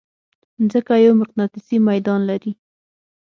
مځکه یو مقناطیسي ميدان لري.